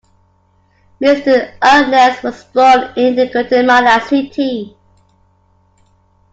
Mr. Arenales was born in Guatemala City.